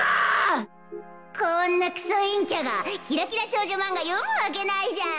こんなクソ陰キャがキラキラ少女マンガ読むわけないじゃーん！